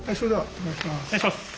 お願いします。